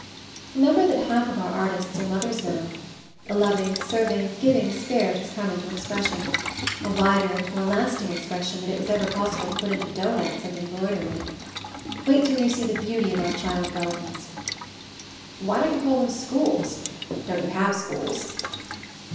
"Remember that half of our artists are mothers now — a loving, serving, giving spirit has come into expression — a wider and more lasting expression than it was ever possible to put into doughnuts and em broidery! Wait till you see the beauty of our child gardens I" "Why don't you call them schools? Don't you have schools?"